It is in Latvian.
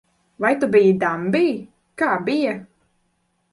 Vai tu biji dambī? Kā bija?